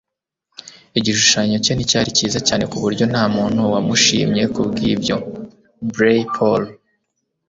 Igishushanyo cye nticyari cyiza cyane kuburyo ntamuntu wamushimye kubwibyo (blay_paul)